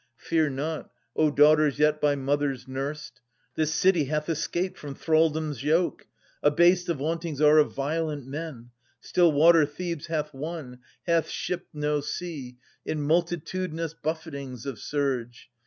Fear not, O daughters yet by mothers nursed. This city hath escaped from thraldom's yoke. Abased the vauntings are of violent men. Still water Thebes hath won, hath shipped no sea In multitudinous buffetings of surge.